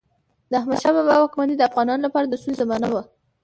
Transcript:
د احمدشاه بابا واکمني د افغانانو لپاره د سولې زمانه وه.